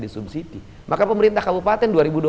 disubsidi maka pemerintah kabupaten